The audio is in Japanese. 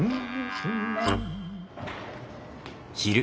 ん？